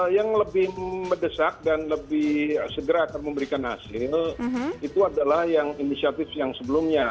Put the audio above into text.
yang lebih mendesak dan lebih segera akan memberikan hasil itu adalah yang inisiatif yang sebelumnya